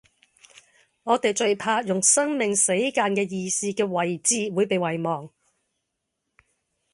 我地最怕用生命死諫既義士既遺志會被遺忘